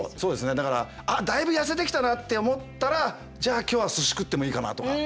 だからあだいぶ痩せてきたなって思ったらじゃあ今日は寿司食ってもいいかなとか。